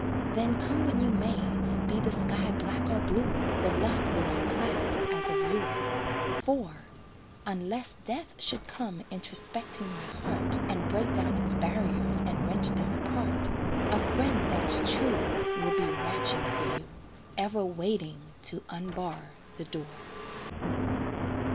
Then come when you may, be the sky black or blue, The lock will unclasp as of yore; For (unless Death should come introspecting my heart, And break down its barriers and wrench them apart), A friend that is true Will be watching for you, Ever waiting to unbar the door.